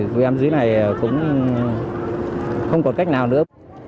của em dưới này cũng không còn cách nào nữa